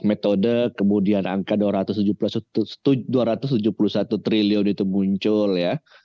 metode kemudian angka dua ratus tujuh puluh satu triliun itu muncul ya